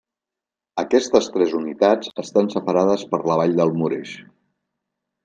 Aquestes tres unitats estan separades per la vall del Mureş.